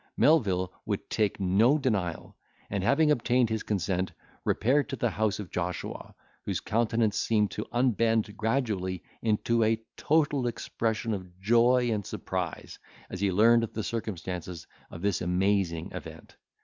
Melvil would take no denial, and having obtained his consent, repaired to the house of Joshua, whose countenance seemed to unbend gradually into a total expression of joy and surprise, as he learned the circumstances of this amazing event.